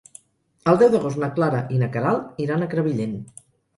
El deu d'agost na Clara i na Queralt iran a Crevillent.